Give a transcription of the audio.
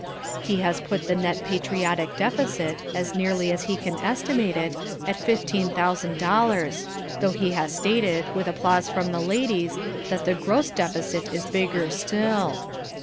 He has put the Net Patriotic Deficit, as nearly as he can estimate it, at fifteen thousand dollars, though he has stated, with applause from the ladies, that the Gross Deficit is bigger still.